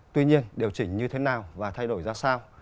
tuy nhiên điều chỉnh như thế nào và thay đổi ra sao